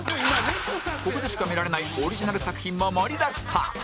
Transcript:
ここでしか見られないオリジナル作品も盛りだくさん